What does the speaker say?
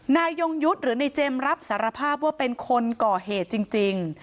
ยงยุทธ์หรือในเจมส์รับสารภาพว่าเป็นคนก่อเหตุจริง